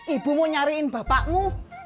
ibu mau nyariin bapakmu